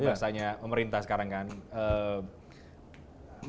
maksudnya pemerintah sekarang kan